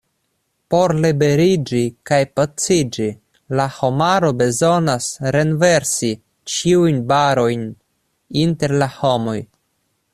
Por liberiĝi kaj paciĝi la homaro bezonas renversi ĉiujn barojn inter la homoj.